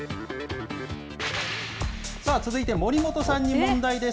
続いて守本さんに問題です。